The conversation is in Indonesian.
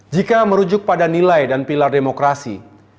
jika merujuk pada nilai dan pilar demokrasi